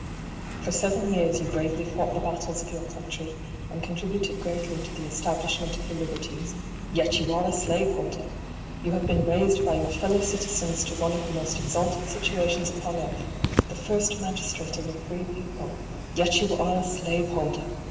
For seven years you bravely fought the battles of your country, and contributed greatly to the establishment of her liberties j yet you are a slave holder ! You have been raised by your fellow citizens to one of the most exalted situations upon earth, the first magistrate of a free people ; yet you are a slave holder